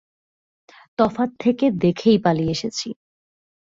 তফাত থেকে দেখেই পালিয়ে এসেছি।